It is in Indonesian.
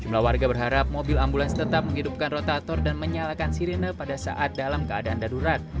jumlah warga berharap mobil ambulans tetap menghidupkan rotator dan menyalakan sirine pada saat dalam keadaan darurat